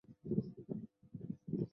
毕业于广州师范大学。